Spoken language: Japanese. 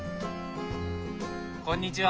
こんにちは！